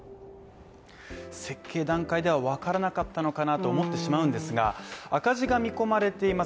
設計段階ではわからなかったのかなと思ってしまうんですが赤字が見込まれています